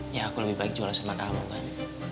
ya aku lebih baik jualan sama kamu kan